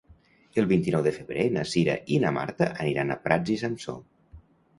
El vint-i-nou de febrer na Cira i na Marta aniran a Prats i Sansor.